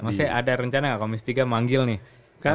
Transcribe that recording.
maksudnya ada rencana nggak komisi tiga manggil nih